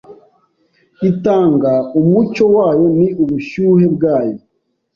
itanga umucyo wayo ni ubushyuhe bwayo